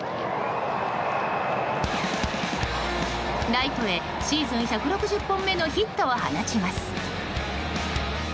ライトへシーズン１６０本目のヒットを放ちます。